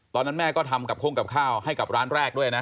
ตอนนั้นแม่ก็ทำกับโค้งกับข้าวให้กับร้านแรกด้วยนะ